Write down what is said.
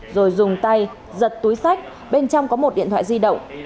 rồi dùng tay giật túi sách bên trong có một điện thoại di động